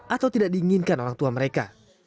atau tidak diinginkan orang tua mereka